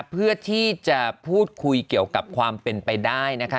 เพื่อที่จะพูดคุยเกี่ยวกับความเป็นไปได้นะคะ